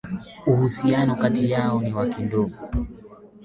Uhusiano kati yao ni wa kindugu